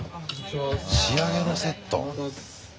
仕上げのセット。